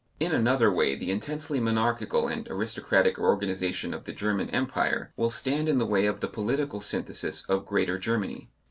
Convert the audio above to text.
In another way the intensely monarchical and aristocratic organization of the German Empire will stand in the way of the political synthesis of greater Germany.